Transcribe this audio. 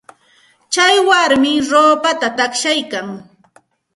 Tsay warmi ruupata taqshaykan.